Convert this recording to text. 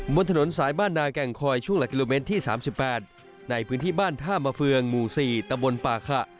บนถนนสายบ้านนาแก่งคอยช่วงหลักกิโลเมตรที่๓๘ในพื้นที่บ้านท่ามาเฟืองหมู่๔ตะบนป่าขะ